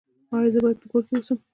ایا زه باید په کور کې اوسم؟